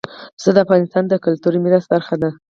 پسه د افغانستان د کلتوري میراث برخه ده.